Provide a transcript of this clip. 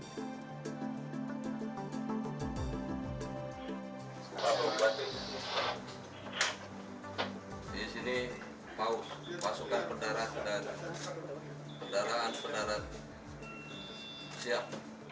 di sini pasukan pedaraan dan pedaraan pedaraan siap